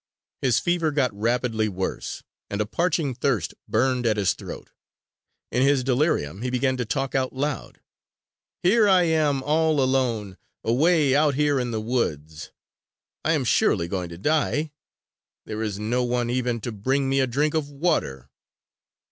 His fever got rapidly worse, and a parching thirst burned at his throat. In his delirium he began to talk out loud: "Here I am all alone, away out here in the woods. I am surely going to die. There is no one even to bring me a drink of water."